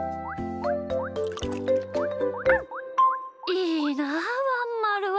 いいなあワンまるは。